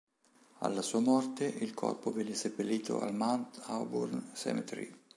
Alla sua morte il corpo venne seppellito al Mount Auburn Cemetery.